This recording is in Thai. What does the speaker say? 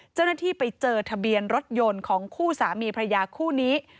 เจ้าหน้าที่ไปเจอทะเบียนรถยนต์ของคู่สามีพระยาคู่นี้